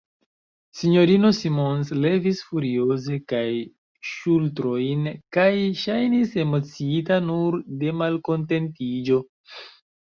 S-ino Simons levis furioze la ŝultrojn, kaj ŝajnis emociita nur de malkontentiĝo.